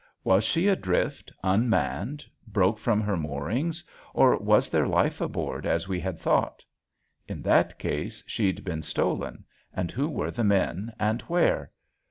Was she adrift unmanned, broke from her moorings, or was there life aboard as we had thought? In that case she'd been stolen, and who were the men and where?